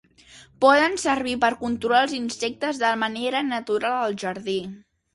Poden servir per controlar els insectes de manera natural al jardí.